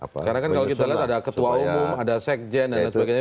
karena kan kalau kita lihat ada ketua umum ada sekjen dan sebagainya